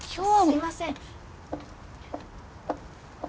すいません。